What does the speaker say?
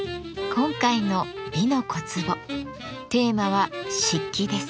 今回の「美の小壺」テーマは「漆器」です。